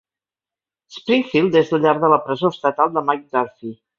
Springfield és la llar de la presó estatal de Mike Durfee.